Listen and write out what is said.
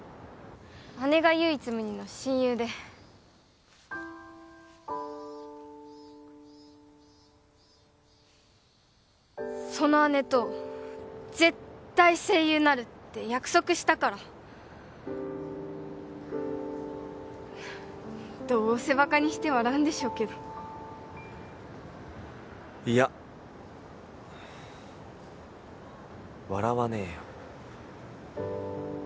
姉が唯一無二の親友でその姉と絶対声優になるって約束したからどうせバカにして笑うんでしょうけどいや笑わねえよ